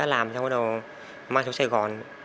làm xong rồi mang xuống sài gòn